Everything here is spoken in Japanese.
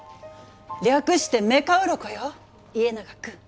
略してメカウロコよ家長君。